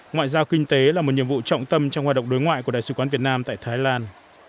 ngoại giao kinh tế là một nhiệm vụ trọng tâm trong hoạt động đối ngoại của đại sứ quán việt nam tại thái lan